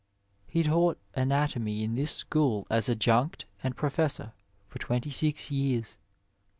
He taught anatomy in this school as adjunct and professor for twenty six years.